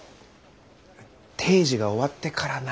定時が終わってからなら。